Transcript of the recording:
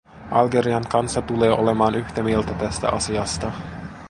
Algerian kansa tulee olemaan yhtä mieltä tästä asiasta.